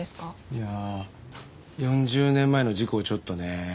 いや４０年前の事故をちょっとね。